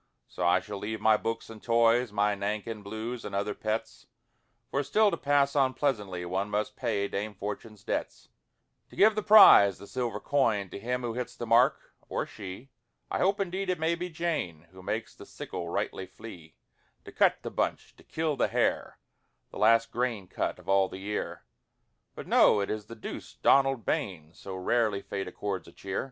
So I shall leave my books and toys, My Nankin blues and other pets, For still to pass on pleasantly One must pay dame fashion's debts, To give the prize, the silver coin, To him who hits the mark, or she, I hope indeed it may be Jane, Who makes the sickle rightly flee, To cut the bunch, to kill ' the hare, 1 The last grain cut of all the year : But no, it is douce Donald Bain, So rarely fate accords a cheer